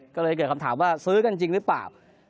ก็เลยเกิดคำถามว่าซื้อกันจริงหรือเปล่า